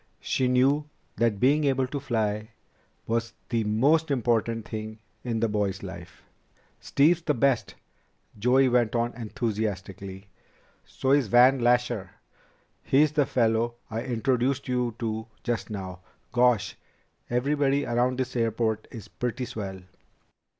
She knew that being able to fly was the most important thing in the boy's life. "Steve's the best," Joey went on enthusiastically. "So's Van Lasher he's the fellow I introduced you to just now. Gosh! Everybody around this airport is pretty swell."